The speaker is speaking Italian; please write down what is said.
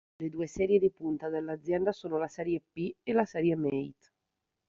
Le due serie di punta dell'azienda sono la serie P e la serie Mate.